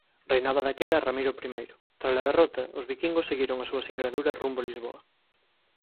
Reinaba daquela Ramiro I. Trala derrota os viquingos seguiron a súa singradura rumbo Lisboa.